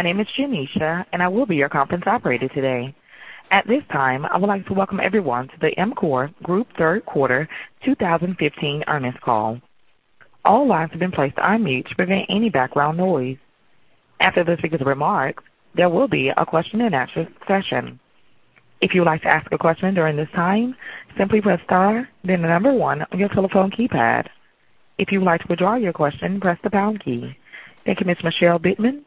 My name is Janisha, and I will be your conference operator today. At this time, I would like to welcome everyone to the EMCOR Group third quarter 2015 earnings call. All lines have been placed on mute to prevent any background noise. After the speaker's remarks, there will be a question-and-answer session. If you would like to ask a question during this time, simply press star then the number one on your telephone keypad. If you would like to withdraw your question, press the pound key. Thank you, Ms. Michelle Bitman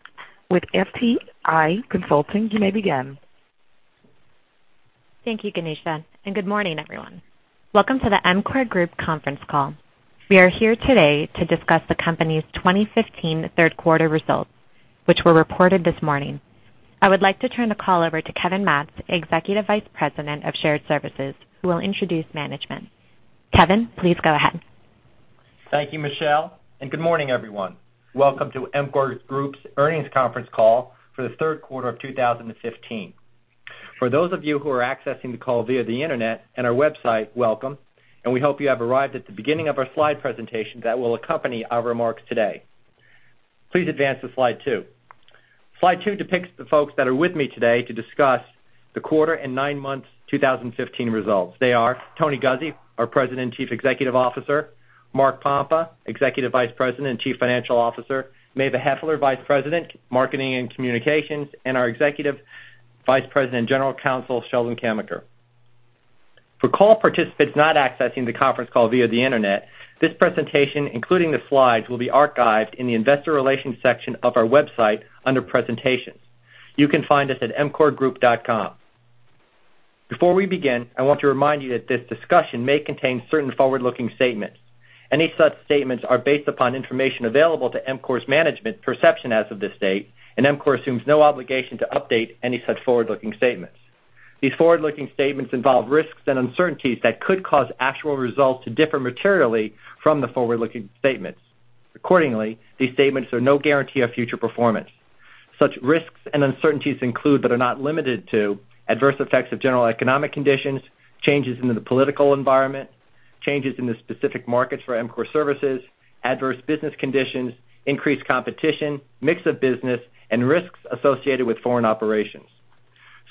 with FTI Consulting, you may begin. Thank you, Janisha, and good morning, everyone. Welcome to the EMCOR Group conference call. We are here today to discuss the company's 2015 third quarter results, which were reported this morning. I would like to turn the call over to Kevin Matz, Executive Vice President of Shared Services, who will introduce management. Kevin, please go ahead. Thank you, Michelle, and good morning, everyone. Welcome to EMCOR Group's earnings conference call for the third quarter of 2015. For those of you who are accessing the call via the internet and our website, welcome, and we hope you have arrived at the beginning of our slide presentation that will accompany our remarks today. Please advance to slide two. Slide two depicts the folks that are with me today to discuss the quarter and nine months 2015 results. They are Tony Guzzi, our President and Chief Executive Officer, Mark Pompa, Executive Vice President and Chief Financial Officer, Maeve Heffler, Vice President, Marketing and Communications, and our Executive Vice President and General Counsel, Sheldon Kamen. For call participants not accessing the conference call via the internet, this presentation, including the slides, will be archived in the investor relations section of our website under presentations. You can find us at emcorgroup.com. Before we begin, I want to remind you that this discussion may contain certain forward-looking statements. Any such statements are based upon information available to EMCOR's management perception as of this date, and EMCOR assumes no obligation to update any such forward-looking statements. These forward-looking statements involve risks and uncertainties that could cause actual results to differ materially from the forward-looking statements. Accordingly, these statements are no guarantee of future performance. Such risks and uncertainties include, but are not limited to, adverse effects of general economic conditions, changes in the political environment, changes in the specific markets for EMCOR services, adverse business conditions, increased competition, mix of business, and risks associated with foreign operations.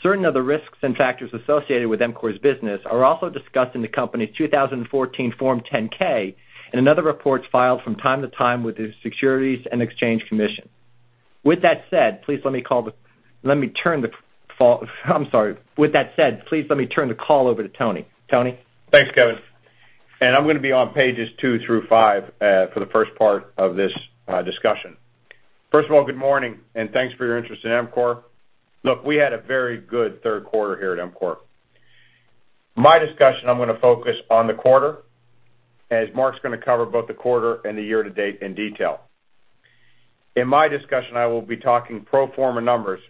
Certain of the risks and factors associated with EMCOR's business are also discussed in the company's 2014 Form 10-K and in other reports filed from time to time with the Securities and Exchange Commission. With that said, please let me turn the call over to Tony. Tony? Thanks, Kevin. I'm going to be on pages two through five for the first part of this discussion. First of all, good morning and thanks for your interest in EMCOR. Look, we had a very good third quarter here at EMCOR. My discussion, I'm going to focus on the quarter, as Mark's going to cover both the quarter and the year-to-date in detail. In my discussion, I will be talking pro forma numbers,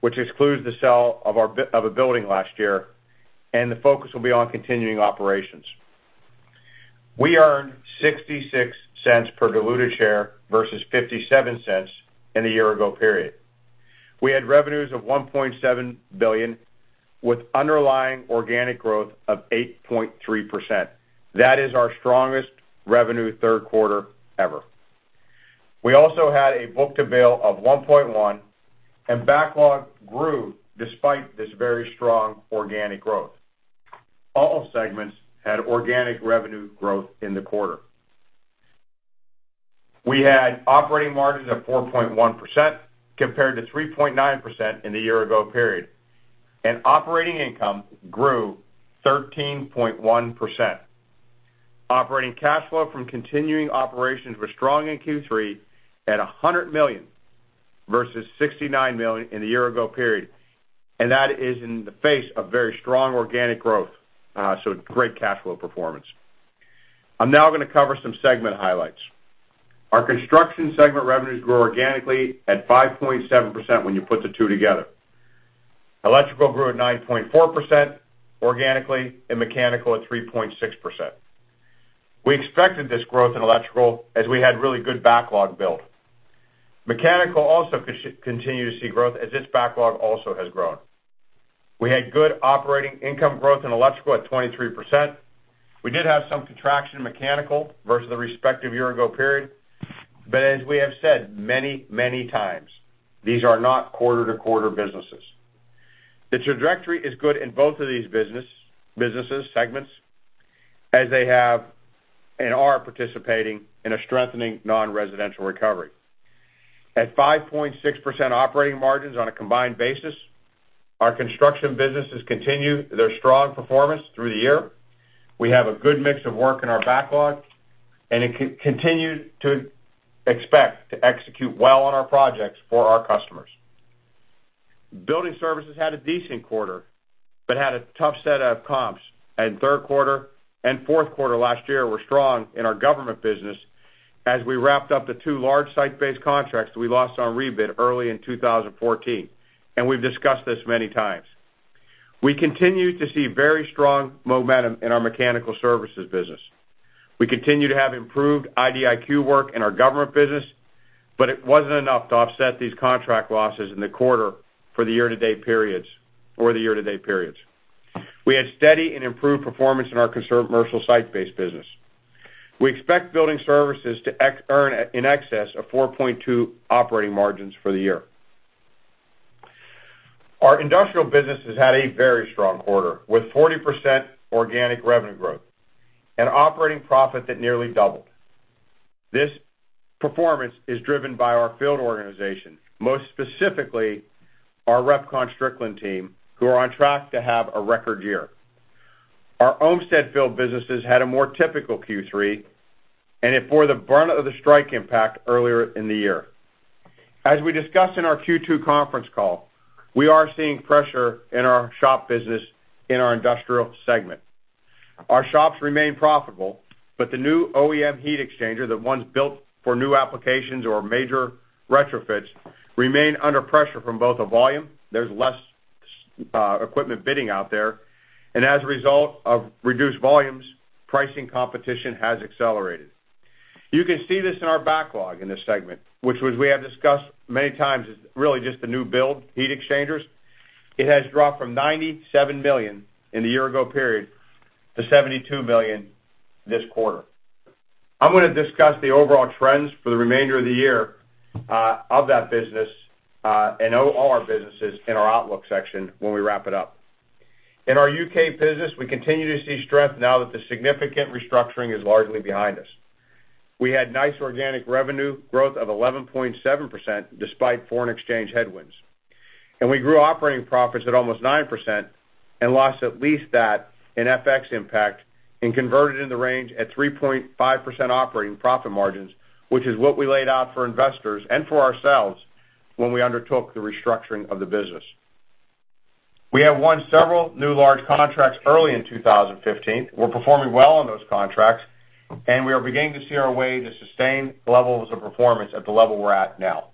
which excludes the sale of a building last year, and the focus will be on continuing operations. We earned $0.66 per diluted share versus $0.57 in the year-ago period. We had revenues of $1.7 billion with underlying organic growth of 8.3%. That is our strongest revenue third quarter ever. We also had a book-to-bill of 1.1, and backlog grew despite this very strong organic growth. All segments had organic revenue growth in the quarter. We had operating margins of 4.1%, compared to 3.9% in the year-ago period. Operating income grew 13.1%. Operating cash flow from continuing operations were strong in Q3 at $100 million versus $69 million in the year-ago period, and that is in the face of very strong organic growth. Great cash flow performance. I'm now going to cover some segment highlights. Our Construction segment revenues grew organically at 5.7% when you put the two together. Electrical grew at 9.4% organically and Mechanical at 3.6%. We expected this growth in Electrical as we had really good backlog build. Mechanical also continued to see growth as its backlog also has grown. We had good operating income growth in Electrical at 23%. We did have some contraction in Mechanical versus the respective year-ago period. As we have said many times, these are not quarter-to-quarter businesses. The trajectory is good in both of these businesses segments as they have and are participating in a strengthening non-residential recovery. At 5.6% operating margins on a combined basis, our Construction businesses continue their strong performance through the year. We have a good mix of work in our backlog and continue to expect to execute well on our projects for our customers. Building Services had a decent quarter but had a tough set of comps, and third quarter and fourth quarter last year were strong in our government business as we wrapped up the two large site-based contracts we lost on rebid early in 2014. We've discussed this many times. We continue to see very strong momentum in our mechanical services business. We continue to have improved IDIQ work in our government business, but it wasn't enough to offset these contract losses in the quarter for the year-to-date periods. We had steady and improved performance in our commercial site-based business. We expect building services to earn in excess of 4.2% operating margins for the year. Our industrial business has had a very strong quarter, with 40% organic revenue growth and operating profit that nearly doubled. This performance is driven by our field organization, most specifically our RepconStrickland team, who are on track to have a record year. Our Ohmstede Field businesses had a more typical Q3, and it bore the brunt of the strike impact earlier in the year. As we discussed in our Q2 conference call, we are seeing pressure in our shop business in our industrial segment. Our shops remain profitable, but the new OEM heat exchanger, the ones built for new applications or major retrofits, remain under pressure from both volume, there's less equipment bidding out there, and as a result of reduced volumes, pricing competition has accelerated. You can see this in our backlog in this segment, which we have discussed many times is really just the new build heat exchangers. It has dropped from $97 million in the year-ago period to $72 million this quarter. I'm going to discuss the overall trends for the remainder of the year of that business and all our businesses in our outlook section when we wrap it up. In our U.K. business, we continue to see strength now that the significant restructuring is largely behind us. We had nice organic revenue growth of 11.7%, despite foreign exchange headwinds. We grew operating profits at almost 9% and lost at least that in FX impact and converted in the range at 3.5% operating profit margins, which is what we laid out for investors and for ourselves when we undertook the restructuring of the business. We have won several new large contracts early in 2015. We're performing well on those contracts, and we are beginning to see our way to sustain levels of performance at the level we're at now.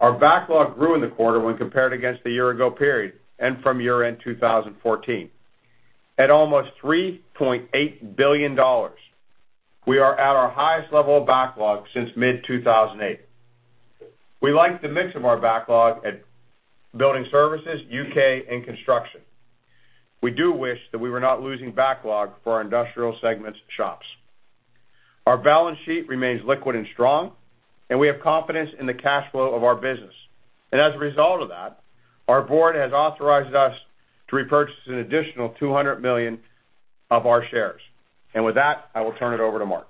Our backlog grew in the quarter when compared against the year-ago period and from year-end 2014. At almost $3.8 billion, we are at our highest level of backlog since mid-2008. We like the mix of our backlog at building services, U.K., and construction. We do wish that we were not losing backlog for our industrial segment's shops. Our balance sheet remains liquid and strong, and we have confidence in the cash flow of our business. As a result of that, our board has authorized us to repurchase an additional $200 million of our shares. With that, I will turn it over to Mark.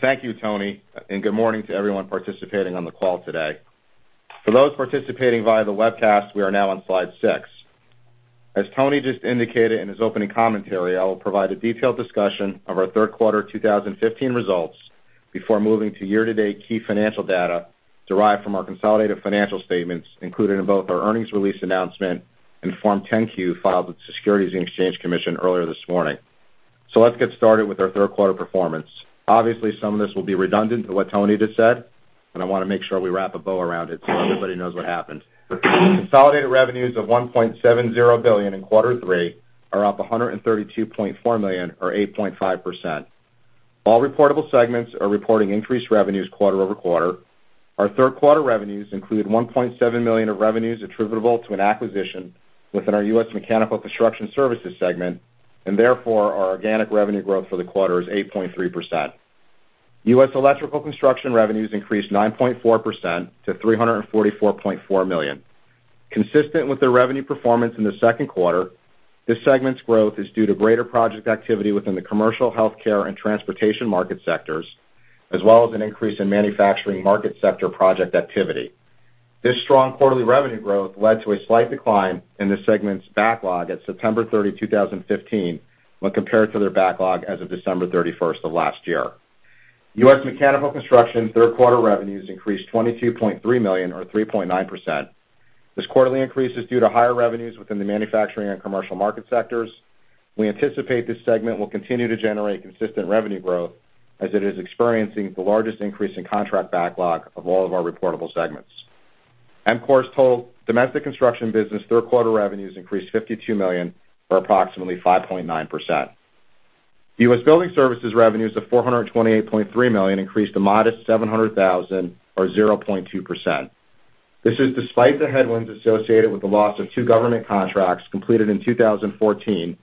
Thank you, Tony, and good morning to everyone participating on the call today. For those participating via the webcast, we are now on slide six. As Tony just indicated in his opening commentary, I will provide a detailed discussion of our third quarter 2015 results before moving to year-to-date key financial data derived from our consolidated financial statements, included in both our earnings release announcement and Form 10-Q filed with the Securities and Exchange Commission earlier this morning. Let's get started with our third quarter performance. Obviously, some of this will be redundant to what Tony just said, and I want to make sure we wrap a bow around it so everybody knows what happened. Consolidated revenues of $1.70 billion in quarter three are up $132.4 million or 8.5%. All reportable segments are reporting increased revenues quarter-over-quarter. Our third quarter revenues include $1.7 million of revenues attributable to an acquisition within our U.S. Mechanical Construction Services segment, and therefore, our organic revenue growth for the quarter is 8.3%. U.S. Electrical Construction revenues increased 9.4% to $344.4 million. Consistent with the revenue performance in the second quarter, this segment's growth is due to greater project activity within the commercial healthcare and transportation market sectors, as well as an increase in manufacturing market sector project activity. This strong quarterly revenue growth led to a slight decline in this segment's backlog at September 30, 2015, when compared to their backlog as of December 31st of last year. U.S. Mechanical Construction third quarter revenues increased $22.3 million or 3.9%. This quarterly increase is due to higher revenues within the manufacturing and commercial market sectors. We anticipate this segment will continue to generate consistent revenue growth as it is experiencing the largest increase in contract backlog of all of our reportable segments. EMCOR's total domestic construction business third-quarter revenues increased $52 million or approximately 5.9%. U.S. Building Services revenues of $428.3 million increased a modest $700,000 or 0.2%. This is despite the headwinds associated with the loss of two government contracts completed in 2014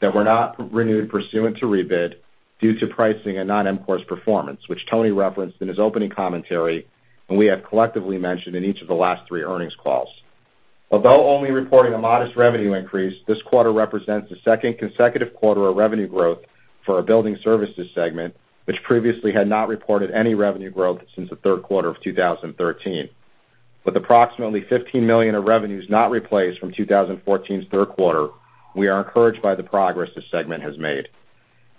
that were not renewed pursuant to rebid due to pricing and non-EMCOR's performance, which Tony referenced in his opening commentary, and we have collectively mentioned in each of the last three earnings calls. Although only reporting a modest revenue increase, this quarter represents the second consecutive quarter of revenue growth for our building services segment, which previously had not reported any revenue growth since the third quarter of 2013. With approximately $15 million of revenues not replaced from 2014's third quarter, we are encouraged by the progress this segment has made.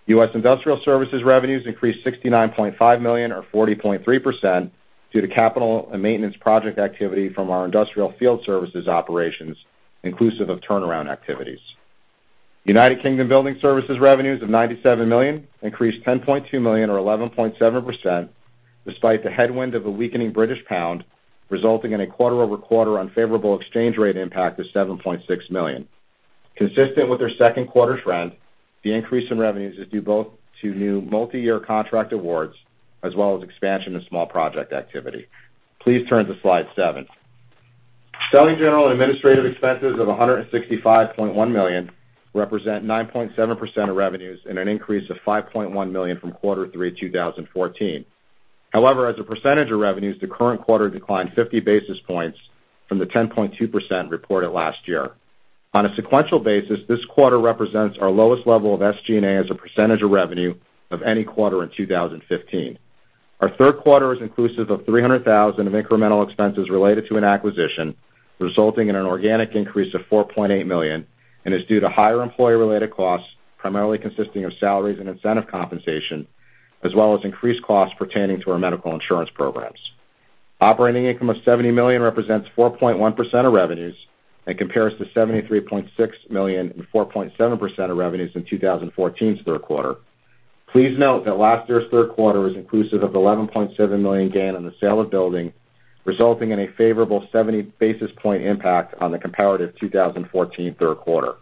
U.S. Industrial Services revenues increased $69.5 million or 40.3% due to capital and maintenance project activity from our industrial field services operations, inclusive of turnaround activities. United Kingdom Building Services revenues of 97 million increased 10.2 million or 11.7%, despite the headwind of a weakening British pound, resulting in a quarter-over-quarter unfavorable exchange rate impact of 7.6 million. Consistent with their second quarter trend, the increase in revenues is due both to new multi-year contract awards as well as expansion of small project activity. Please turn to slide seven. Selling General and Administrative Expenses of $165.1 million represent 9.7% of revenues and an increase of $5.1 million from quarter three 2014. As a percentage of revenues, the current quarter declined 50 basis points from the 10.2% reported last year. On a sequential basis, this quarter represents our lowest level of SG&A as a percentage of revenue of any quarter in 2015. Our third quarter is inclusive of $300,000 of incremental expenses related to an acquisition, resulting in an organic increase of $4.8 million, and is due to higher employee-related costs, primarily consisting of salaries and incentive compensation, as well as increased costs pertaining to our medical insurance programs. Operating income of $70 million represents 4.1% of revenues and compares to $73.6 million and 4.7% of revenues in 2014's third quarter. Please note that last year's third quarter is inclusive of $11.7 million gain on the sale of building, resulting in a favorable 70 basis point impact on the comparative 2014 third quarter.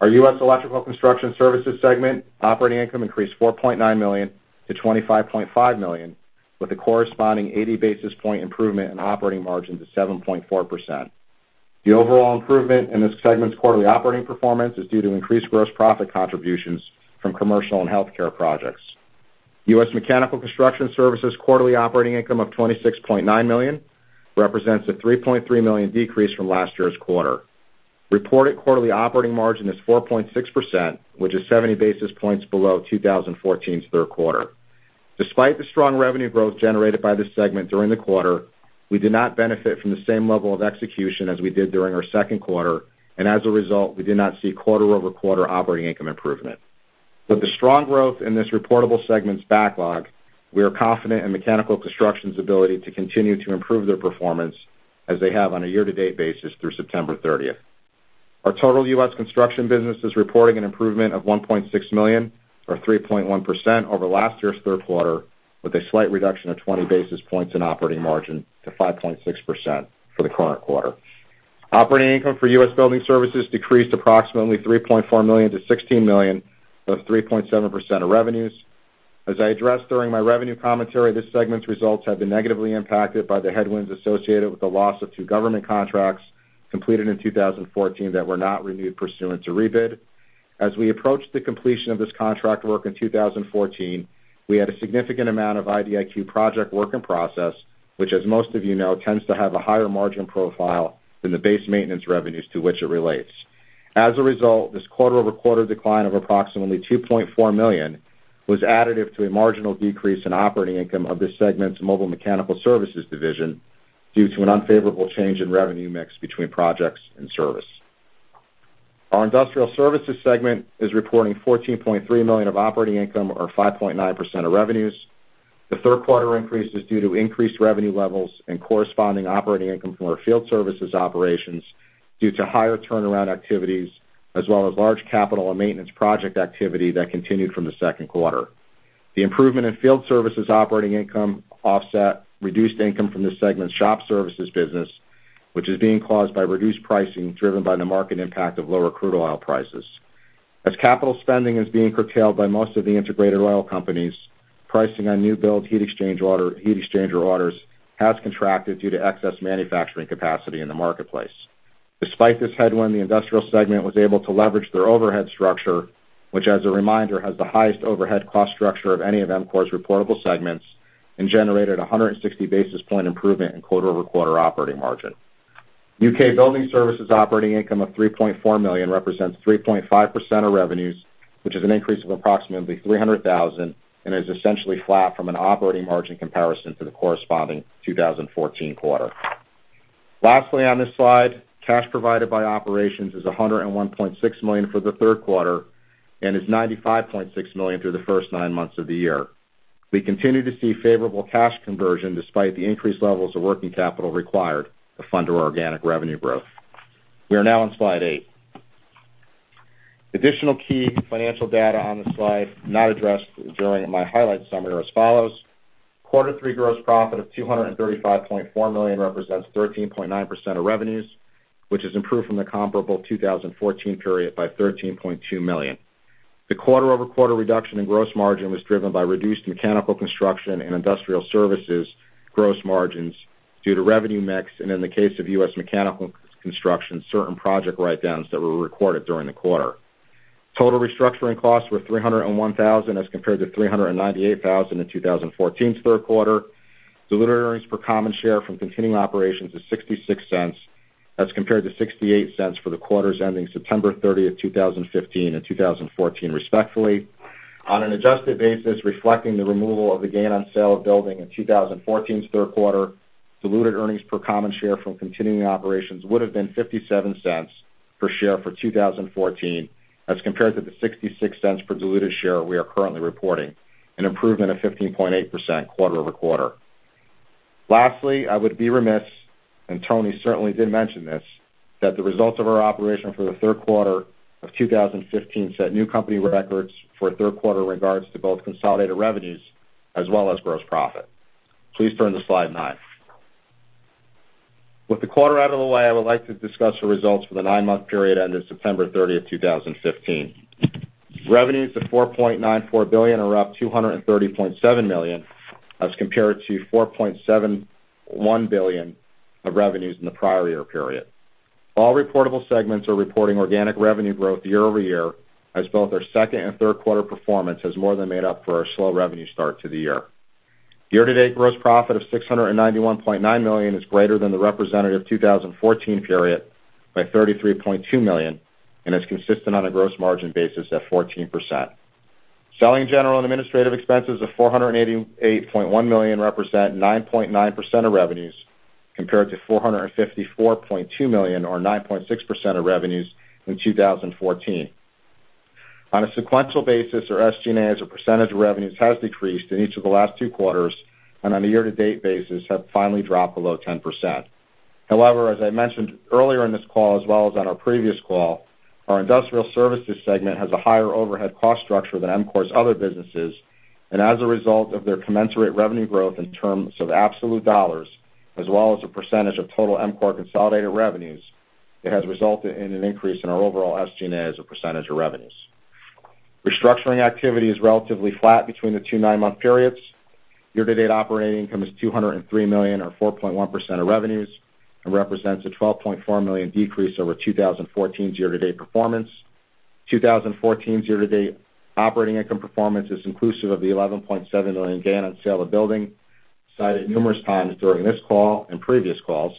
Our U.S. Electrical Construction Services segment operating income increased $4.9 million to $25.5 million, with a corresponding 80 basis point improvement in operating margin to 7.4%. The overall improvement in this segment's quarterly operating performance is due to increased gross profit contributions from commercial and healthcare projects. U.S. Mechanical Construction Services' quarterly operating income of $26.9 million represents a $3.3 million decrease from last year's quarter. Reported quarterly operating margin is 4.6%, which is 70 basis points below 2014's third quarter. Despite the strong revenue growth generated by the segment during the quarter, we did not benefit from the same level of execution as we did during our second quarter, and as a result, we did not see quarter-over-quarter operating income improvement. With the strong growth in this reportable segment's backlog, we are confident in Mechanical Construction's ability to continue to improve their performance as they have on a year-to-date basis through September 30th. Our total U.S. construction business is reporting an improvement of $1.6 million, or 3.1%, over last year's third quarter, with a slight reduction of 20 basis points in operating margin to 5.6% for the current quarter. Operating income for U.S. Building Services decreased approximately $3.4 million to $16 million, or 3.7% of revenues. As I addressed during my revenue commentary, this segment's results have been negatively impacted by the headwinds associated with the loss of two government contracts completed in 2014 that were not renewed pursuant to rebid. As we approached the completion of this contract work in 2014, we had a significant amount of IDIQ project work in process, which, as most of you know, tends to have a higher margin profile than the base maintenance revenues to which it relates. As a result, this quarter-over-quarter decline of approximately $2.4 million was additive to a marginal decrease in operating income of this segment's Mobile Mechanical Services division due to an unfavorable change in revenue mix between projects and service. Our Industrial Services segment is reporting $14.3 million of operating income, or 5.9% of revenues. The third quarter increase is due to increased revenue levels and corresponding operating income from our field services operations due to higher turnaround activities as well as large capital and maintenance project activity that continued from the second quarter. The improvement in field services operating income offset reduced income from the segment's shop services business, which is being caused by reduced pricing driven by the market impact of lower crude oil prices. As capital spending is being curtailed by most of the integrated oil companies, pricing on new build heat exchanger orders has contracted due to excess manufacturing capacity in the marketplace. Despite this headwind, the Industrial segment was able to leverage their overhead structure, which, as a reminder, has the highest overhead cost structure of any of EMCOR's reportable segments, and generated 160 basis point improvement in quarter-over-quarter operating margin. U.K. Building Services operating income of $3.4 million represents 3.5% of revenues, which is an increase of approximately $300,000 and is essentially flat from an operating margin comparison to the corresponding 2014 quarter. Lastly on this slide, cash provided by operations is $101.6 million for the third quarter and is $95.6 million through the first nine months of the year. We continue to see favorable cash conversion despite the increased levels of working capital required to fund our organic revenue growth. We are now on slide eight. Additional key financial data on this slide not addressed during my highlights summary are as follows. Quarter three gross profit of $235.4 million represents 13.9% of revenues, which has improved from the comparable 2014 period by $13.2 million. The quarter-over-quarter reduction in gross margin was driven by reduced mechanical construction and industrial services gross margins due to revenue mix and, in the case of U.S. Mechanical Construction, certain project write-downs that were recorded during the quarter. Total restructuring costs were $301,000 as compared to $398,000 in 2014's third quarter. Diluted earnings per common share from continuing operations is $0.66 as compared to $0.68 for the quarters ending September 30, 2015 and 2014, respectively. On an adjusted basis, reflecting the removal of the gain on sale of building in 2014's third quarter, diluted earnings per common share from continuing operations would have been $0.57 per share for 2014 as compared to the $0.66 per diluted share we are currently reporting, an improvement of 15.8% quarter-over-quarter. Lastly, I would be remiss, and Tony certainly did mention this, that the results of our operation for the third quarter of 2015 set new company records for third quarter in regards to both consolidated revenues as well as gross profit. Please turn to slide nine. With the quarter out of the way, I would like to discuss the results for the nine-month period ending September 30, 2015. Revenues of $4.94 billion are up $230.7 million as compared to $4.71 billion of revenues in the prior year period. All reportable segments are reporting organic revenue growth year-over-year, as both our second and third quarter performance has more than made up for our slow revenue start to the year. Year-to-date gross profit of $691.9 million is greater than the representative 2014 period by $33.2 million and is consistent on a gross margin basis at 14%. Selling, General and Administrative expenses of $488.1 million represent 9.9% of revenues, compared to $454.2 million or 9.6% of revenues in 2014. On a sequential basis, our SG&A as a percentage of revenues has decreased in each of the last two quarters and on a year-to-date basis have finally dropped below 10%. As I mentioned earlier in this call as well as on our previous call, our industrial services segment has a higher overhead cost structure than EMCOR's other businesses, and as a result of their commensurate revenue growth in terms of absolute dollars, as well as a percentage of total EMCOR consolidated revenues, it has resulted in an increase in our overall SGA as a percentage of revenues. Restructuring activity is relatively flat between the two nine-month periods. Year-to-date operating income is $203 million or 4.1% of revenues and represents a $12.4 million decrease over 2014's year-to-date performance. 2014's year-to-date operating income performance is inclusive of the $11.7 million gain on sale of building, cited numerous times during this call and previous calls.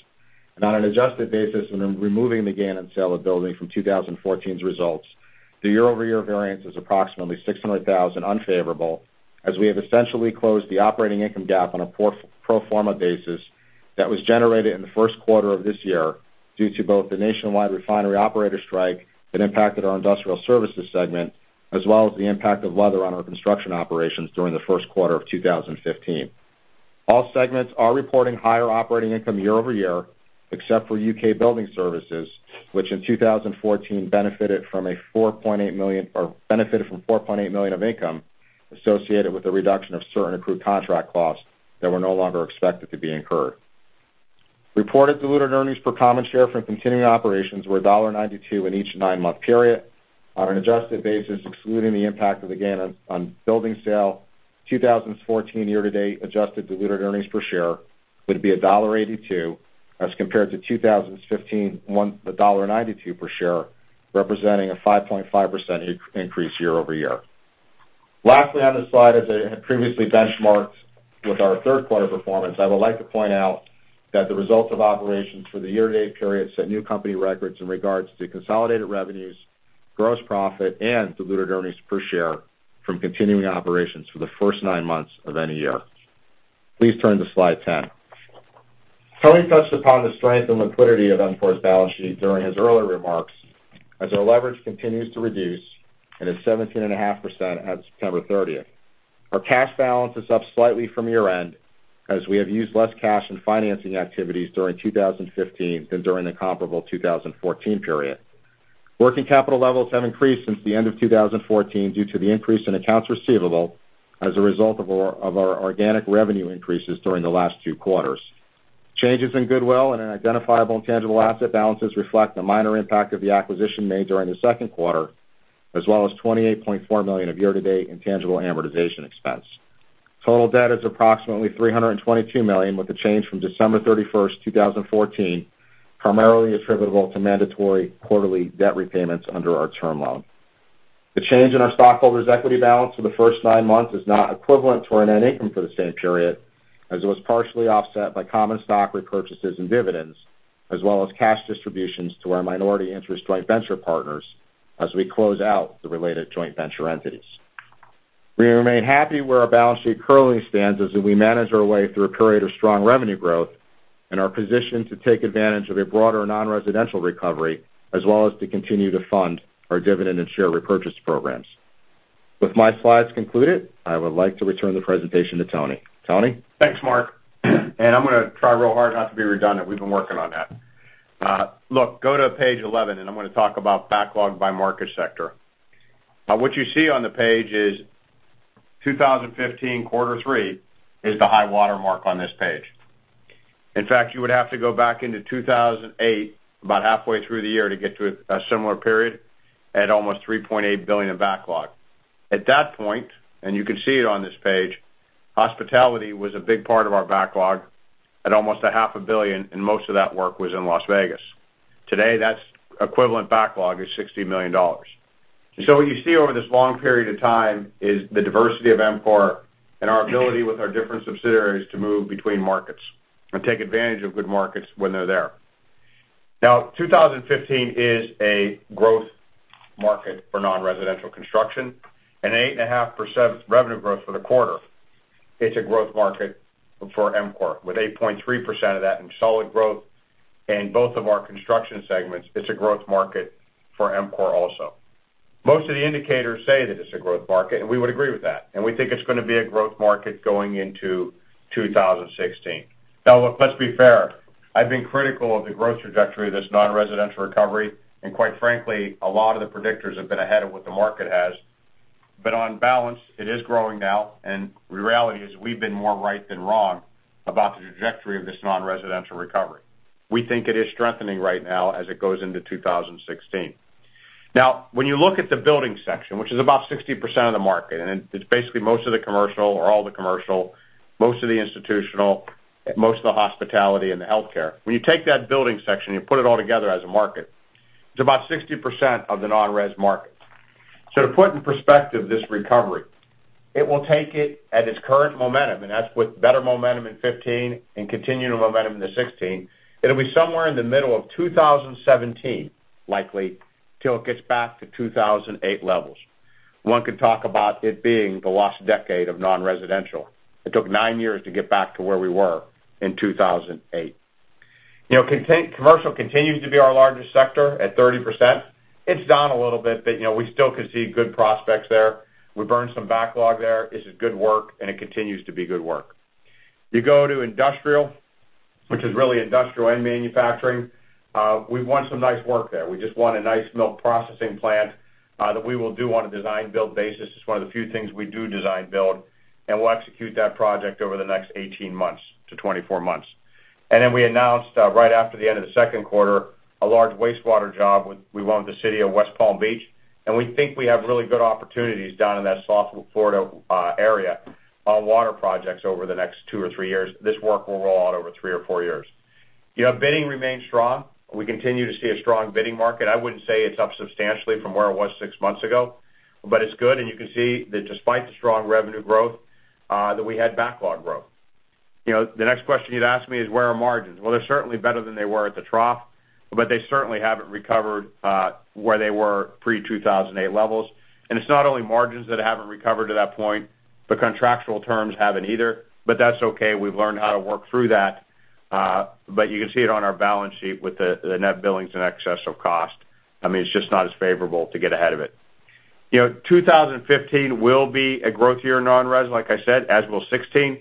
On an adjusted basis, removing the gain on sale of building from 2014's results, the year-over-year variance is approximately $600,000 unfavorable as we have essentially closed the operating income gap on a pro forma basis that was generated in the first quarter of this year due to both the nationwide refinery operator strike that impacted our industrial services segment as well as the impact of weather on our construction operations during the first quarter of 2015. All segments are reporting higher operating income year-over-year except for UK Building Services, which in 2014 benefited from $4.8 million of income associated with the reduction of certain accrued contract costs that were no longer expected to be incurred. Reported diluted earnings per common share from continuing operations were $1.92 in each nine-month period. On an adjusted basis, excluding the impact of the gain on building sale, 2014 year-to-date adjusted diluted earnings per share would be $1.82 as compared to 2015's $1.92 per share, representing a 5.5% increase year-over-year. Lastly, on this slide, as I had previously benchmarked with our third quarter performance, I would like to point out that the results of operations for the year-to-date period set new company records in regards to consolidated revenues, gross profit and diluted earnings per share from continuing operations for the first nine months of any year. Please turn to slide 10. Tony touched upon the strength and liquidity of EMCOR's balance sheet during his earlier remarks, as our leverage continues to reduce and is 17.5% as of September 30th. Our cash balance is up slightly from year-end as we have used less cash in financing activities during 2015 than during the comparable 2014 period. Working capital levels have increased since the end of 2014 due to the increase in accounts receivable as a result of our organic revenue increases during the last two quarters. Changes in goodwill and in identifiable and tangible asset balances reflect the minor impact of the acquisition made during the second quarter, as well as $28.4 million of year-to-date intangible amortization expense. Total debt is approximately $322 million, with the change from December 31st, 2014, primarily attributable to mandatory quarterly debt repayments under our term loan. The change in our stockholders' equity balance for the first nine months is not equivalent to our net income for the same period, as it was partially offset by common stock repurchases and dividends, as well as cash distributions to our minority interest joint venture partners as we close out the related joint venture entities. We remain happy where our balance sheet currently stands as we manage our way through a period of strong revenue growth and are positioned to take advantage of a broader non-residential recovery as well as to continue to fund our dividend and share repurchase programs. With my slides concluded, I would like to return the presentation to Tony. Tony? Thanks, Mark. I'm going to try real hard not to be redundant. We've been working on that. Go to page 11, I'm going to talk about backlog by market sector. What you see on the page is 2015 quarter three is the high watermark on this page. In fact, you would have to go back into 2008, about halfway through the year, to get to a similar period at almost $3.8 billion of backlog. At that point, and you can see it on this page, hospitality was a big part of our backlog at almost a half a billion, and most of that work was in Las Vegas. Today, that equivalent backlog is $60 million. What you see over this long period of time is the diversity of EMCOR and our ability with our different subsidiaries to move between markets and take advantage of good markets when they're there. 2015 is a growth market for non-residential construction, at 8.5% revenue growth for the quarter, it's a growth market for EMCOR, with 8.3% of that in solid growth. In both of our construction segments, it's a growth market for EMCOR also. Most of the indicators say that it's a growth market, we would agree with that, we think it's going to be a growth market going into 2016. Let's be fair. I've been critical of the growth trajectory of this non-residential recovery, quite frankly, a lot of the predictors have been ahead of what the market has. On balance, it is growing now, the reality is we've been more right than wrong about the trajectory of this non-residential recovery. We think it is strengthening right now as it goes into 2016. When you look at the building section, which is about 60% of the market, and it's basically most of the commercial or all the commercial, most of the institutional, most of the hospitality, and the healthcare. When you take that building section, you put it all together as a market, it's about 60% of the non-res market. To put in perspective this recovery, it will take it at its current momentum, that's with better momentum in 2015 and continuing momentum into 2016. It'll be somewhere in the middle of 2017, likely, till it gets back to 2008 levels. One could talk about it being the lost decade of non-residential. It took nine years to get back to where we were in 2008. Commercial continues to be our largest sector at 30%. It's down a little bit, but we still could see good prospects there. We burned some backlog there. This is good work, and it continues to be good work. You go to industrial, which is really industrial and manufacturing. We've won some nice work there. We just won a nice milk processing plant, that we will do on a design-build basis. It's one of the few things we do design-build, and we'll execute that project over the next 18-24 months. We announced, right after the end of the second quarter, a large wastewater job we won with the City of West Palm Beach, and we think we have really good opportunities down in that South Florida area on water projects over the next two or three years. This work will roll out over three or four years. Bidding remains strong. We continue to see a strong bidding market. I wouldn't say it's up substantially from where it was six months ago, but it's good, and you can see that despite the strong revenue growth, that we had backlog growth. The next question you'd ask me is, where are margins? Well, they're certainly better than they were at the trough, but they certainly haven't recovered where they were pre-2008 levels. It's not only margins that haven't recovered to that point, but contractual terms haven't either. That's okay. We've learned how to work through that. You can see it on our balance sheet with the net billings in excess of costs. It's just not as favorable to get ahead of it. 2015 will be a growth year in non-res, like I said, as will 2016.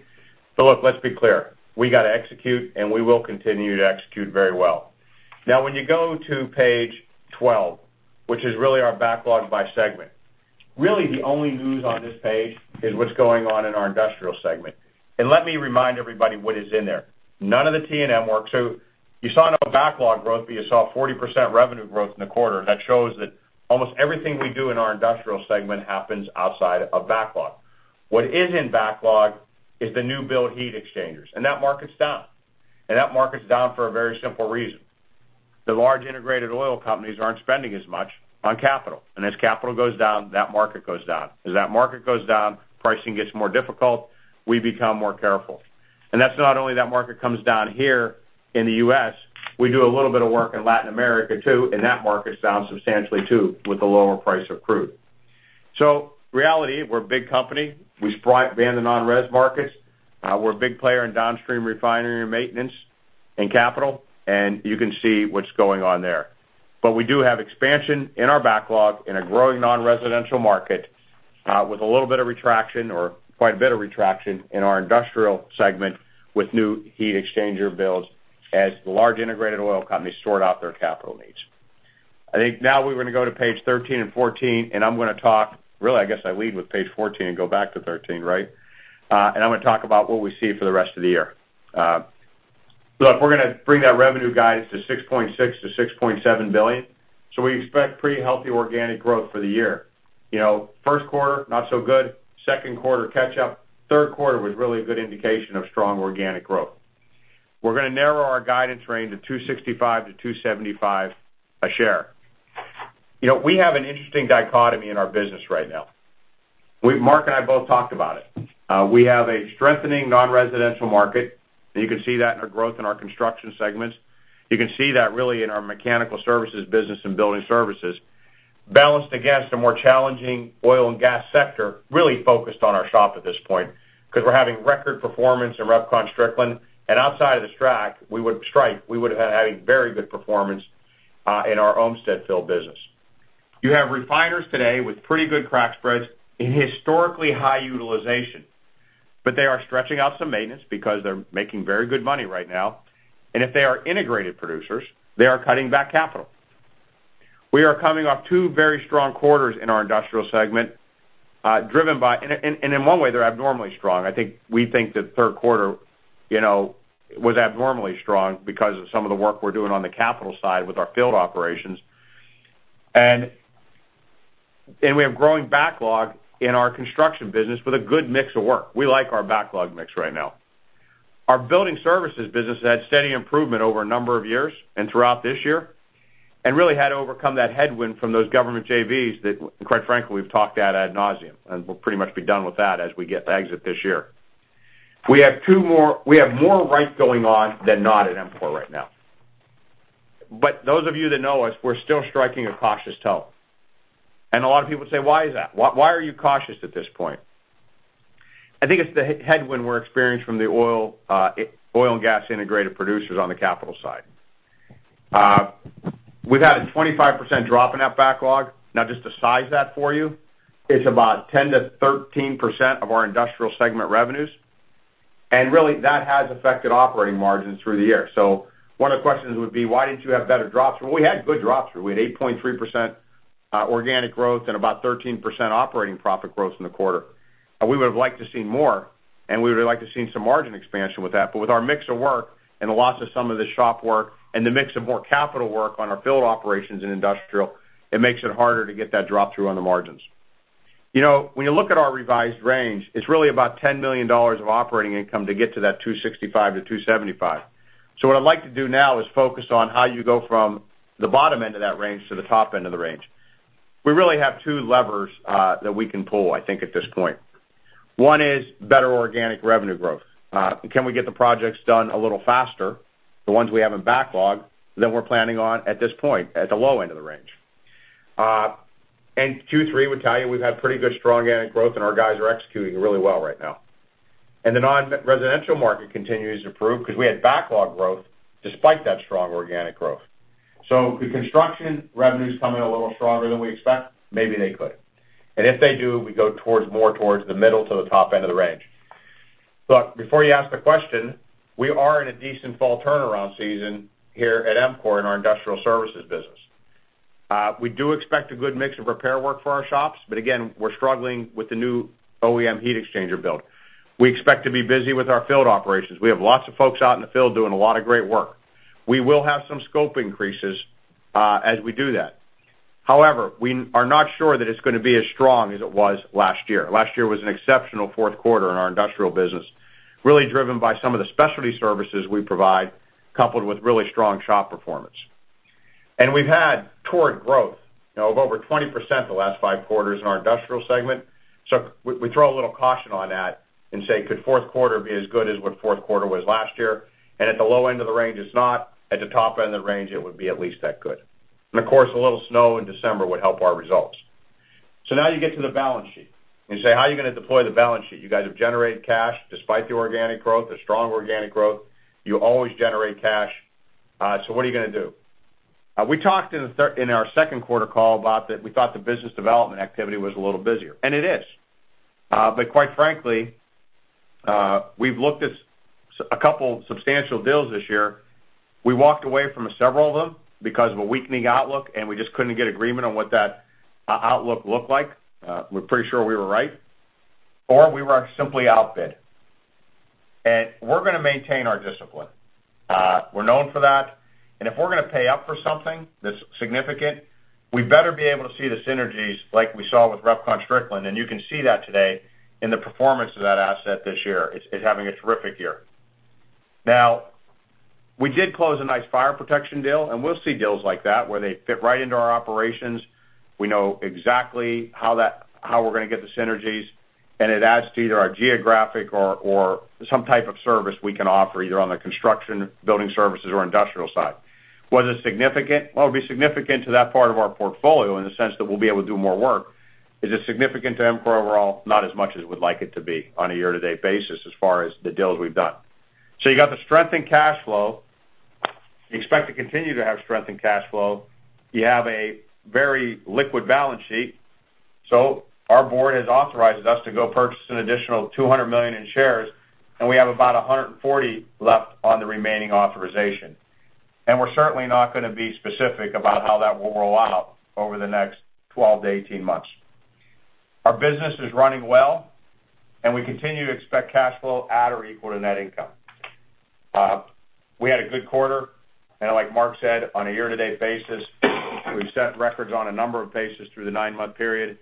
Look, let's be clear. We got to execute, and we will continue to execute very well. Now, when you go to page 12, which is really our backlog by segment. Really, the only news on this page is what's going on in our industrial segment. Let me remind everybody what is in there. None of the T&M work. You saw no backlog growth, but you saw 40% revenue growth in the quarter. That shows that almost everything we do in our industrial segment happens outside of backlog. What is in backlog is the new build heat exchangers, and that market's down. That market's down for a very simple reason. The large integrated oil companies aren't spending as much on capital. As capital goes down, that market goes down. As that market goes down, pricing gets more difficult, we become more careful. That's not only that market comes down here in the U.S., we do a little bit of work in Latin America too, and that market's down substantially too with the lower price of crude. Reality, we're a big company. We span the non-res markets. We're a big player in downstream refinery maintenance and capital, and you can see what's going on there. We do have expansion in our backlog in a growing non-residential market, with a little bit of retraction or quite a bit of retraction in our industrial segment with new heat exchanger builds as the large integrated oil companies sort out their capital needs. I think now we're going to go to page 13 and 14. I'm going to talk. I guess I lead with page 14 and go back to 13, right? I'm going to talk about what we see for the rest of the year. We're gonna bring that revenue guidance to $6.6 billion-$6.7 billion. We expect pretty healthy organic growth for the year. First quarter, not so good. Second quarter, catch up. Third quarter was really a good indication of strong organic growth. We're going to narrow our guidance range of $2.65-$2.75 a share. We have an interesting dichotomy in our business right now. Mark and I both talked about it. We have a strengthening non-residential market, and you can see that in our growth in our construction segments. You can see that really in our mechanical services business and building services, balanced against a more challenging oil and gas sector, really focused on our shop at this point because we're having record performance in RepconStrickland. Outside of the strike, we would have had a very good performance in our Ohmstede Field business. You have refiners today with pretty good crack spreads and historically high utilization. They are stretching out some maintenance because they're making very good money right now. If they are integrated producers, they are cutting back capital. We are coming off two very strong quarters in our industrial segment. In one way, they're abnormally strong. We think that third quarter was abnormally strong because of some of the work we're doing on the capital side with our field operations. We have growing backlog in our construction business with a good mix of work. We like our backlog mix right now. Our building services business has had steady improvement over a number of years and throughout this year, and really had to overcome that headwind from those government JVs that, quite frankly, we've talked at ad nauseam, and we'll pretty much be done with that as we exit this year. We have more right going on than not at EMCOR right now. Those of you that know us, we're still striking a cautious tone. A lot of people say, "Why is that? Why are you cautious at this point?" I think it's the headwind we're experienced from the oil and gas integrated producers on the capital side. We've had a 25% drop in that backlog. Now, just to size that for you, it's about 10%-13% of our industrial segment revenues. Really, that has affected operating margins through the year. One of the questions would be, why didn't you have better drop-through? We had good drop-through. We had 8.3% organic growth and about 13% operating profit growth in the quarter. We would have liked to see more, and we would have liked to have seen some margin expansion with that. With our mix of work and the loss of some of the shop work and the mix of more capital work on our field operations in industrial, it makes it harder to get that drop-through on the margins. When you look at our revised range, it's really about $10 million of operating income to get to that $265 million-$275 million. What I'd like to do now is focus on how you go from the bottom end of that range to the top end of the range. We really have two levers that we can pull, I think, at this point. One is better organic revenue growth. Can we get the projects done a little faster, the ones we have in backlog, than we're planning on at this point, at the low end of the range? Q3 would tell you we've had pretty good strong organic growth, and our guys are executing really well right now. The non-residential market continues to improve because we had backlog growth despite that strong organic growth. Could construction revenues come in a little stronger than we expect? Maybe they could. If they do, we go more towards the middle to the top end of the range. Look, before you ask the question, we are in a decent fall turnaround season here at EMCOR in our U.S. Industrial Services business. We do expect a good mix of repair work for our shops, but again, we're struggling with the new OEM heat exchanger build. We expect to be busy with our field operations. We have lots of folks out in the field doing a lot of great work. We will have some scope increases as we do that. However, we are not sure that it's going to be as strong as it was last year. Last year was an exceptional fourth quarter in our industrial business, really driven by some of the specialty services we provide, coupled with really strong shop performance. We've had torrid growth of over 20% the last five quarters in our industrial segment. We throw a little caution on that and say, could fourth quarter be as good as what fourth quarter was last year? At the low end of the range, it's not. At the top end of the range, it would be at least that good. Of course, a little snow in December would help our results. Now you get to the balance sheet and you say, how are you going to deploy the balance sheet? You guys have generated cash despite the organic growth, the strong organic growth. You always generate cash. What are you going to do? We talked in our second quarter call about that we thought the business development activity was a little busier, and it is. Quite frankly, we've looked at a couple substantial deals this year. We walked away from several of them because of a weakening outlook, and we just couldn't get agreement on what that outlook looked like. We're pretty sure we were right, or we were simply outbid. We're going to maintain our discipline. We're known for that. If we're going to pay up for something that's significant, we better be able to see the synergies like we saw with RepconStrickland, and you can see that today in the performance of that asset this year. It's having a terrific year. Now, we did close a nice fire protection deal, and we'll see deals like that where they fit right into our operations. We know exactly how we're going to get the synergies. It adds to either our geographic or some type of service we can offer, either on the construction, building services, or industrial side. Was it significant? Well, it'd be significant to that part of our portfolio in the sense that we'll be able to do more work. Is it significant to EMCOR overall? Not as much as we'd like it to be on a year-to-date basis as far as the deals we've done. You got the strength in cash flow. You expect to continue to have strength in cash flow. You have a very liquid balance sheet. Our board has authorized us to go purchase an additional $200 million in shares, and we have about $140 left on the remaining authorization. We're certainly not going to be specific about how that will roll out over the next 12 to 18 months. Our business is running well. We continue to expect cash flow at or equal to net income. We had a good quarter, and like Mark said, on a year-to-date basis, we've set records on a number of paces through the nine-month period.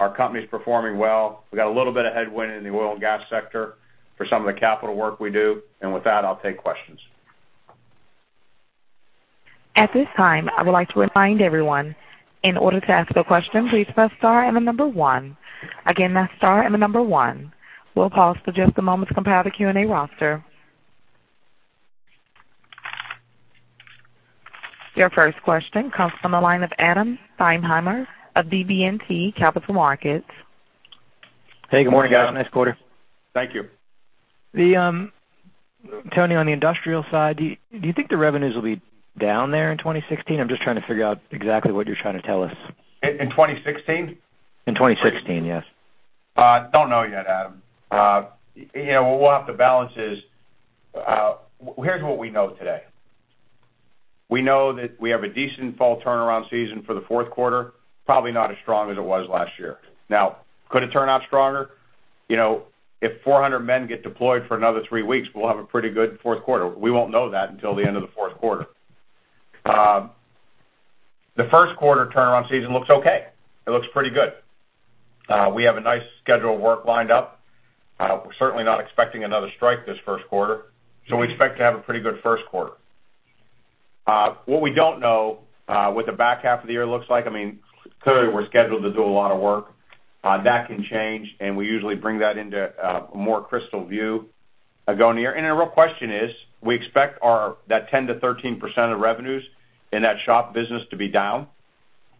Our company's performing well. We got a little bit of headwind in the oil and gas sector for some of the capital work we do. With that, I'll take questions. At this time, I would like to remind everyone, in order to ask a question, please press star and the number 1. Again, press star and the number 1. We'll pause for just a moment to compile the Q&A roster. Your first question comes from the line of Adam Thalhimer of BB&T Capital Markets. Hey, good morning, guys. Nice quarter. Thank you. Tony, on the industrial side, do you think the revenues will be down there in 2016? I'm just trying to figure out exactly what you're trying to tell us. In 2016? In 2016, yes. Don't know yet, Adam. What we'll have to balance is. Here's what we know today. We know that we have a decent fall turnaround season for the fourth quarter, probably not as strong as it was last year. Could it turn out stronger? If 400 men get deployed for another three weeks, we'll have a pretty good fourth quarter. We won't know that until the end of the fourth quarter. The first quarter turnaround season looks okay. It looks pretty good. We have a nice schedule of work lined up. We're certainly not expecting another strike this first quarter, so we expect to have a pretty good first quarter. What we don't know what the back half of the year looks like. We're scheduled to do a lot of work. That can change, and we usually bring that into a more crystal view going near. The real question is, we expect that 10%-13% of revenues in that shop business to be down.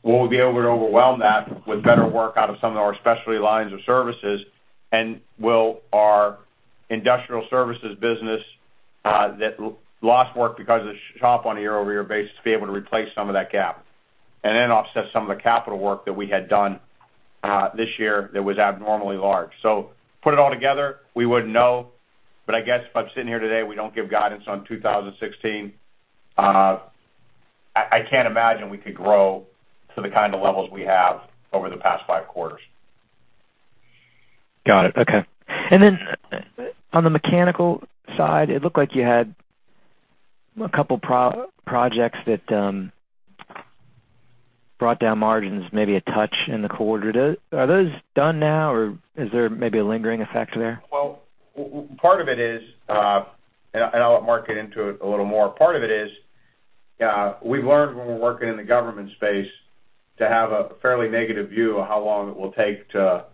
Will we be able to overwhelm that with better work out of some of our specialty lines of services? Will our industrial services business that lost work because of the shop on a year-over-year basis be able to replace some of that gap and then offset some of the capital work that we had done this year that was abnormally large. Put it all together, we wouldn't know. I guess if I'm sitting here today, we don't give guidance on 2016. I can't imagine we could grow to the kind of levels we have over the past five quarters. Got it. Okay. On the mechanical side, it looked like you had a couple projects that brought down margins, maybe a touch in the quarter. Are those done now, or is there maybe a lingering effect there? Well, part of it is, and I'll let Mark get into it a little more. Part of it is, we've learned when we're working in the government space to have a fairly negative view of how long it will take to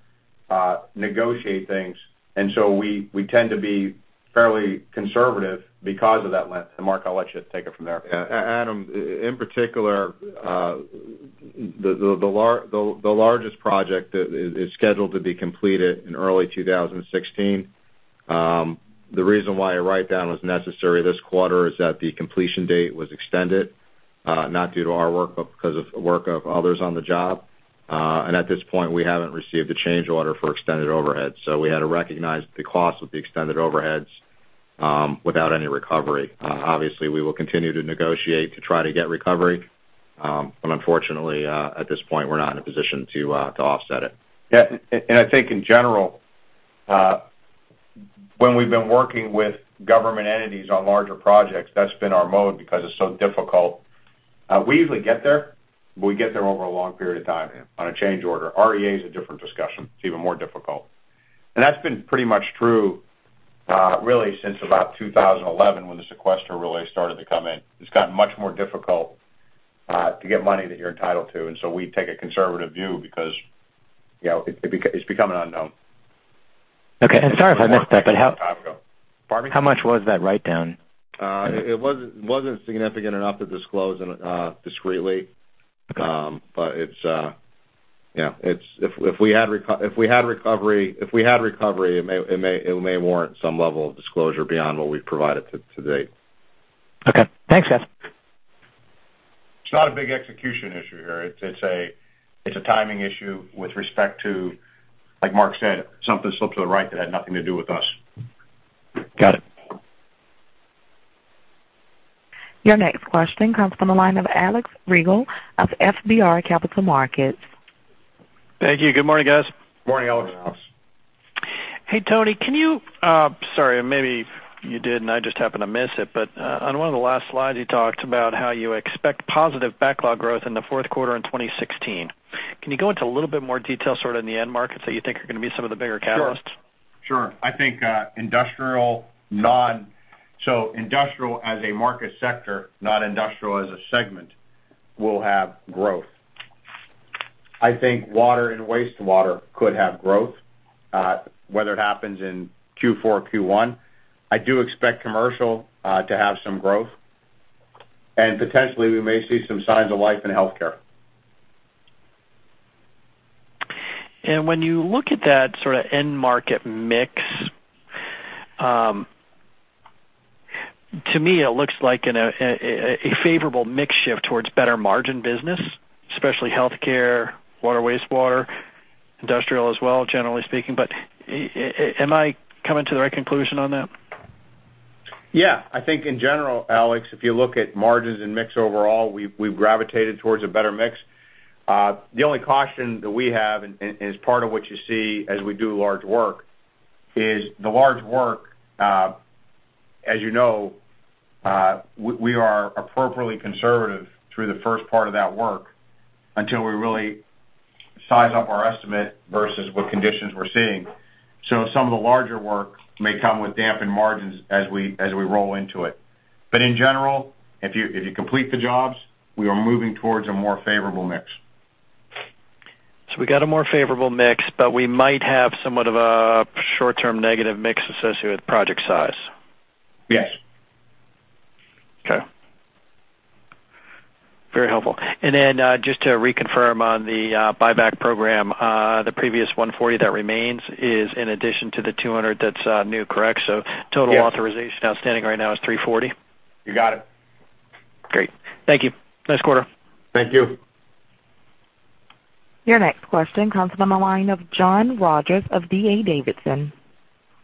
negotiate things. We tend to be fairly conservative because of that lens. Mark, I'll let you take it from there. Adam, in particular, the largest project is scheduled to be completed in early 2016. The reason why a write-down was necessary this quarter is that the completion date was extended, not due to our work, but because of work of others on the job. At this point, we haven't received a change order for extended overhead. We had to recognize the cost of the extended overheads without any recovery. Obviously, we will continue to negotiate to try to get recovery. Unfortunately, at this point, we're not in a position to offset it. Yeah, I think in general, when we've been working with government entities on larger projects, that's been our mode because it's so difficult. We usually get there, but we get there over a long period of time on a change order. REA is a different discussion. It's even more difficult. That's been pretty much true really since about 2011 when the sequester really started to come in. It's gotten much more difficult to get money that you're entitled to. We take a conservative view because it's become an unknown. Okay. Sorry if I missed that, how- Pardon me? How much was that write-down? It wasn't significant enough to disclose discretely. Okay. If we had recovery, it may warrant some level of disclosure beyond what we've provided to date. Okay. Thanks, guys. It's not a big execution issue here. It's a timing issue with respect to, like Mark said, something slipped to the right that had nothing to do with us. Got it. Your next question comes from the line of Alex Rygiel of FBR Capital Markets. Thank you. Good morning, guys. Morning, Alex. Morning, Alex. Hey, Tony, sorry, maybe you did, and I just happened to miss it, on one of the last slides, you talked about how you expect positive backlog growth in the fourth quarter in 2016. Can you go into a little bit more detail sort of in the end markets that you think are going to be some of the bigger catalysts? Sure. I think industrial, as a market sector, not industrial as a segment, will have growth. I think water and wastewater could have growth, whether it happens in Q4 or Q1. I do expect commercial to have some growth. Potentially we may see some signs of life in healthcare. When you look at that sort of end market mix, to me it looks like a favorable mix shift towards better margin business, especially healthcare, water, wastewater, industrial as well, generally speaking. Am I coming to the right conclusion on that? Yeah. I think in general, Alex, if you look at margins and mix overall, we've gravitated towards a better mix. The only caution that we have, and as part of what you see as we do large work, is the large work, as you know, we are appropriately conservative through the first part of that work until we really size up our estimate versus what conditions we're seeing. Some of the larger work may come with dampened margins as we roll into it. In general, if you complete the jobs, we are moving towards a more favorable mix. We got a more favorable mix, but we might have somewhat of a short-term negative mix associated with project size. Yes. Okay. Very helpful. Then just to reconfirm on the buyback program, the previous $140 that remains is in addition to the $200 that's new, correct? Yes authorization outstanding right now is 340? You got it. Great. Thank you. Nice quarter. Thank you. Your next question comes from the line of John Rogers of D.A. Davidson.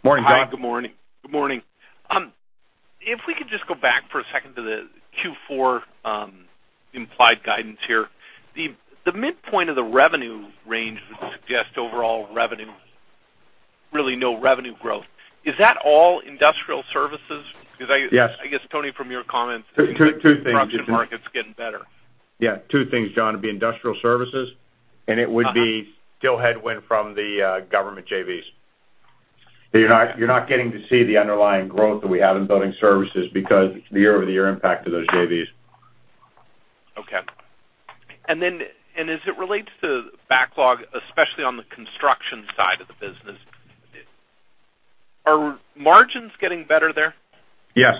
Morning, John. Hi. Good morning. If we could just go back for a second to the Q4 implied guidance here. The midpoint of the revenue range would suggest overall revenue, really no revenue growth. Is that all industrial services? Because. Yes I guess, Tony, from your comments. Two things Construction market's getting better. Yeah. Two things, John. It'd be Industrial Services. It would be still headwind from the government JVs. You're not getting to see the underlying growth that we have in Building Services because the year-over-year impact of those JVs. Okay. As it relates to backlog, especially on the construction side of the business, are margins getting better there? Yes.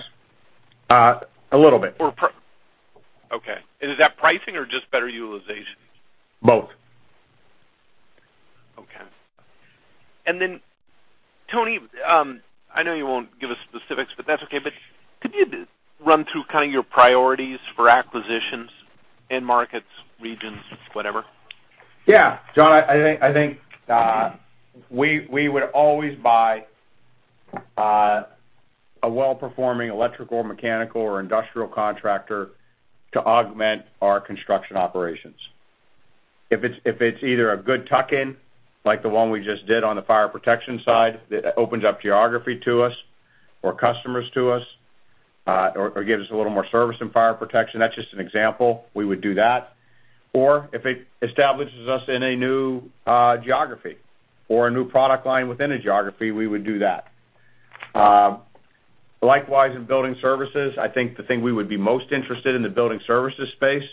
A little bit. Okay. Is that pricing or just better utilization? Both. Okay. Tony, I know you won't give us specifics, but that's okay. Could you run through kind of your priorities for acquisitions in markets, regions, whatever? Yeah. John, I think we would always buy a well-performing electrical or mechanical or industrial contractor to augment our construction operations. If it's either a good tuck-in, like the one we just did on the fire protection side, that opens up geography to us or customers to us, or gives us a little more service in fire protection. That's just an example. We would do that. Or if it establishes us in a new geography or a new product line within a geography, we would do that. Likewise, in building services, I think the thing we would be most interested in the building services space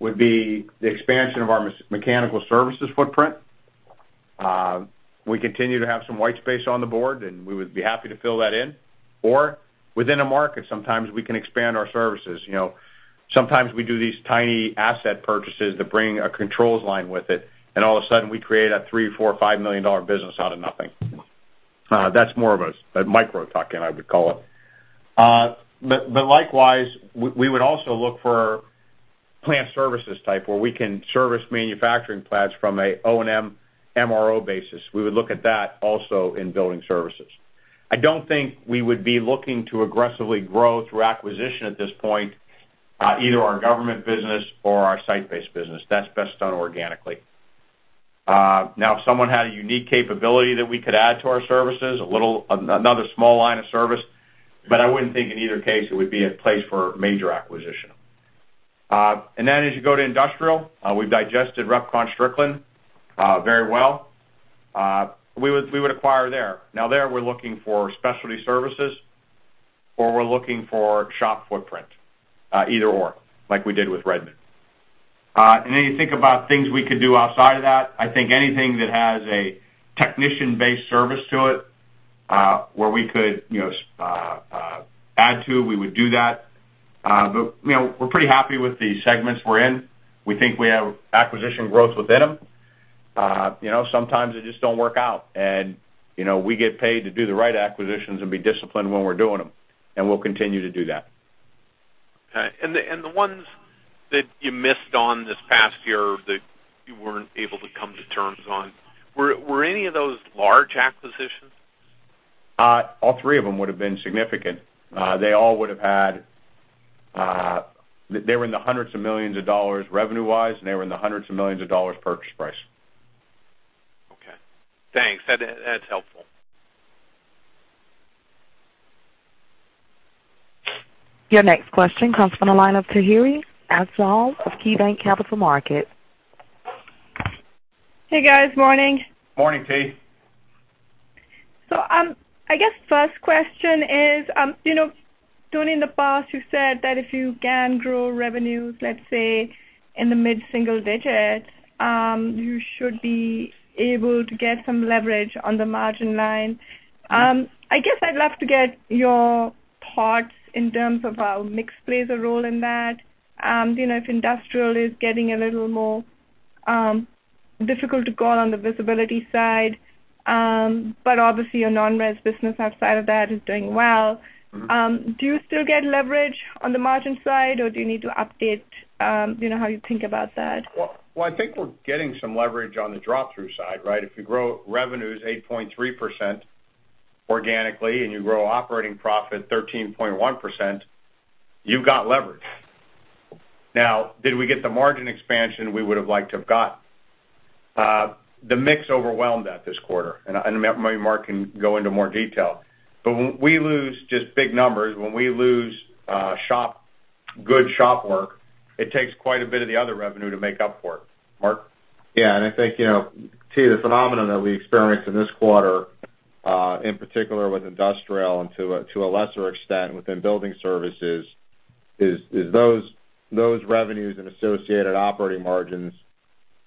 would be the expansion of our mechanical services footprint. We continue to have some white space on the board, and we would be happy to fill that in, or within a market, sometimes we can expand our services. Sometimes we do these tiny asset purchases that bring a controls line with it. All of a sudden, we create a $3, $4, or $5 million business out of nothing. That's more of a micro tuck-in, I would call it. Likewise, we would also look for plant services type, where we can service manufacturing plants from a O&M, MRO basis. We would look at that also in building services. I don't think we would be looking to aggressively grow through acquisition at this point, either our government business or our site-based business. That's best done organically. Now, if someone had a unique capability that we could add to our services, another small line of service, but I wouldn't think in either case it would be a place for a major acquisition. As you go to industrial, we've digested RepconStrickland very well. We would acquire there. Now, there, we're looking for specialty services, or we're looking for shop footprint, either or, like we did with Redmond. You think about things we could do outside of that. I think anything that has a technician-based service to it, where we could add to, we would do that. We're pretty happy with the segments we're in. We think we have acquisition growth within them. Sometimes they just don't work out. We get paid to do the right acquisitions and be disciplined when we're doing them. We'll continue to do that. Okay. The ones that you missed on this past year that you weren't able to come to terms on, were any of those large acquisitions? All three of them would've been significant. They were in the hundreds of millions of dollars revenue-wise. They were in the hundreds of millions of dollars purchase price. Okay. Thanks. That's helpful. Your next question comes from the line of Tahira Afzal of KeyBanc Capital Markets. Hey, guys. Morning. Morning, T. I guess first question is, Tony, in the past, you said that if you can grow revenues, let's say, in the mid-single-digit, you should be able to get some leverage on the margin line. I guess I'd love to get your thoughts in terms of how mix plays a role in that. If Industrial is getting a little more difficult to go on the visibility side, but obviously your non-res business outside of that is doing well. Do you still get leverage on the margin side, or do you need to update how you think about that? I think we're getting some leverage on the drop-through side, right? If you grow revenues 8.3% organically, you grow operating profit 13.1%, you've got leverage. Did we get the margin expansion we would've liked to have got? The mix overwhelmed that this quarter, maybe Mark can go into more detail. When we lose just big numbers, when we lose good shop work, it takes quite a bit of the other revenue to make up for it. Mark? I think, T, the phenomenon that we experienced in this quarter, in particular with Industrial, and to a lesser extent within Building Services, is those revenues and associated operating margins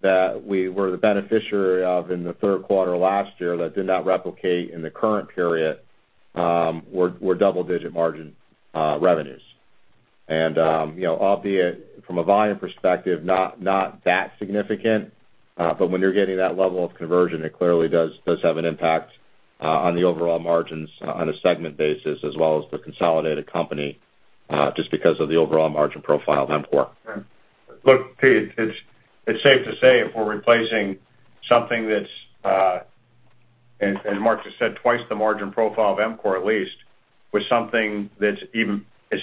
that we were the beneficiary of in the third quarter last year that did not replicate in the current period, were double-digit-margin revenues. Albeit from a volume perspective, not that significant, but when you're getting that level of conversion, it clearly does have an impact on the overall margins on a segment basis as well as the consolidated company, just because of the overall margin profile of EMCOR. Look, T, it's safe to say if we're replacing something that's, and Mark just said twice the margin profile of EMCOR at least, with something that's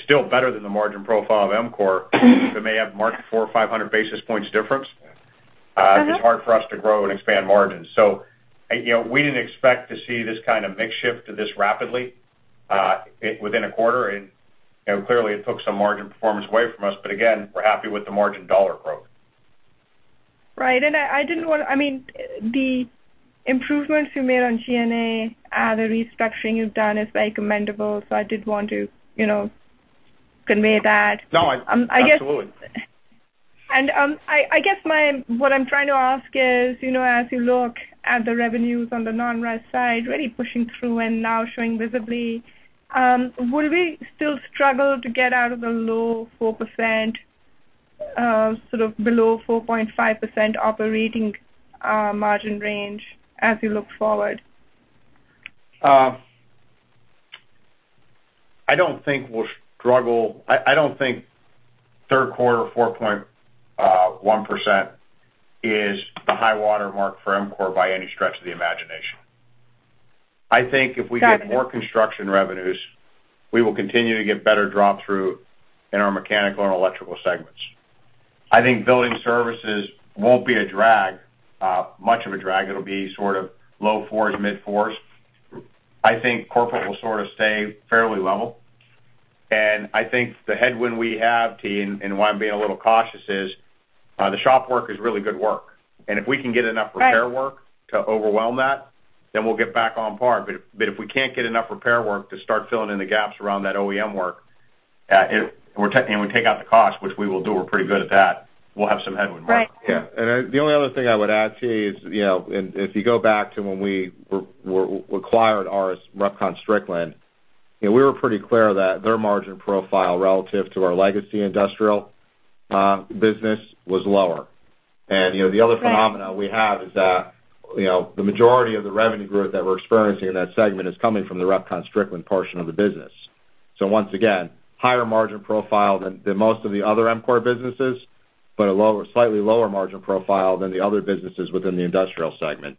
still better than the margin profile of EMCOR, but may have 400 or 500 basis points difference. it's hard for us to grow and expand margins. We didn't expect to see this kind of mix shift this rapidly within a quarter, and clearly it took some margin performance away from us, but again, we're happy with the margin dollar growth. Right. The improvements you made on G&A, the restructuring you've done is very commendable, so I did want to convey that. No, absolutely. I guess what I'm trying to ask is, as you look at the revenues on the non-res side, really pushing through and now showing visibly, will we still struggle to get out of the low 4% sort of below 4.5% operating margin range as we look forward? I don't think third quarter 4.1% is the high watermark for EMCOR by any stretch of the imagination. I think if we get Got it more construction revenues, we will continue to get better drop-through in our mechanical and electrical segments. I think building services won't be much of a drag. It'll be sort of low fours, mid-fours. I think corporate will sort of stay fairly level. I think the headwind we have, T, and why I'm being a little cautious is, the shop work is really good work. If we can get enough repair work to overwhelm that, then we'll get back on par. If we can't get enough repair work to start filling in the gaps around that OEM work, and we take out the cost, which we will do, we're pretty good at that, we'll have some headwind. Right. The only other thing I would add, T, is, if you go back to when we acquired RepconStrickland, we were pretty clear that their margin profile relative to our legacy industrial business was lower. The other phenomena we have is that the majority of the revenue growth that we're experiencing in that segment is coming from the RepconStrickland portion of the business. Once again, higher margin profile than most of the other EMCOR businesses, but a slightly lower margin profile than the other businesses within the industrial segment.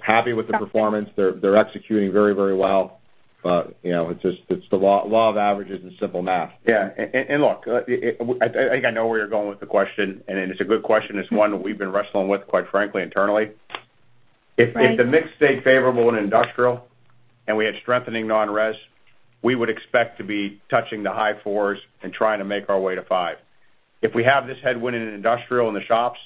Happy with the performance. They're executing very well. It's the law of averages and simple math. Look, I think I know where you're going with the question, and it's a good question. It's one that we've been wrestling with, quite frankly, internally. Right. If the mix stayed favorable in industrial and we had strengthening non-res, we would expect to be touching the high fours and trying to make our way to five. If we have this headwind in industrial in the shops,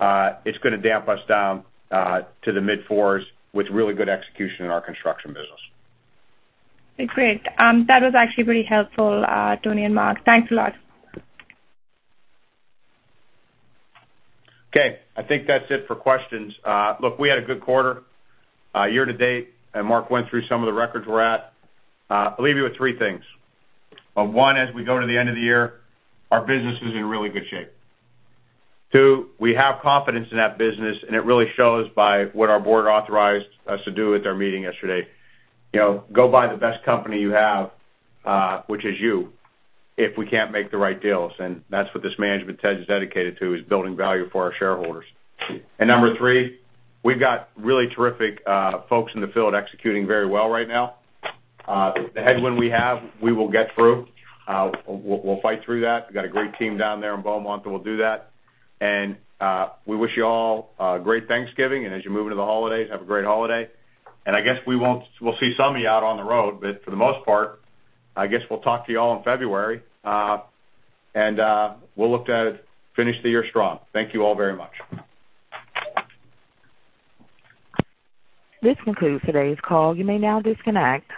it's going to damp us down to the mid-fours with really good execution in our construction business. Okay, great. That was actually very helpful, Tony and Mark. Thanks a lot. Okay, I think that's it for questions. Look, we had a good quarter. Year to date, Mark Pompa went through some of the records we're at. I'll leave you with three things. One, as we go to the end of the year, our business is in really good shape. Two, we have confidence in that business, and it really shows by what our board authorized us to do at their meeting yesterday. Go buy the best company you have, which is you, if we can't make the right deals. That's what this management team is dedicated to, is building value for our shareholders. Number three, we've got really terrific folks in the field executing very well right now. The headwind we have, we will get through. We'll fight through that. We've got a great team down there in Beaumont that will do that. We wish you all a great Thanksgiving, and as you move into the holidays, have a great holiday. I guess we'll see some of you out on the road, but for the most part, I guess we'll talk to you all in February. We'll look to finish the year strong. Thank you all very much. This concludes today's call. You may now disconnect.